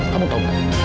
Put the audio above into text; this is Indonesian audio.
kamu tau gak